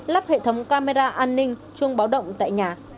lắp hệ thống camera an ninh chuông báo động tại nhà